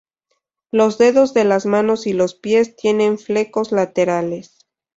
Los dedos de las manos y los pies tienen flecos laterales.